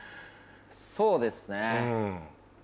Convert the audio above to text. そうですね。